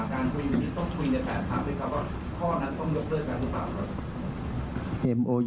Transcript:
การคุยอยู่ที่ต้องคุยในแปดพักษ์หรือไม่ครับว่าข้อนั้นต้องยกเกิดการรู้สึกหรือเปล่าครับ